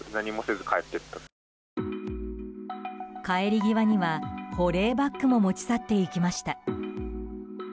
帰り際には保冷バッグも持ち去っていきました。